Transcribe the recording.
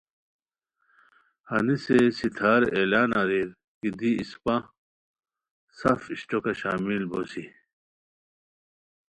ہنیسے ستھار اعلان اریر کی دی اسپہ سف اشٹوکہ شامل بوسی